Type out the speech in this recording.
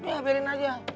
ya biarin aja